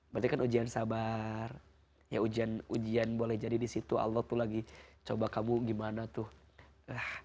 berarti kan ujian sabar ya ujian boleh jadi disitu allah tuh lagi coba kamu gimana tuh